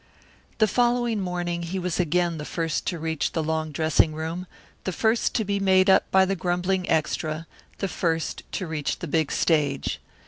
The following morning he was again the first to reach the long dressing room, the first to be made up by the grumbling extra, the first to reach the big stage.